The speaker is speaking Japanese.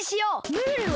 ムールは？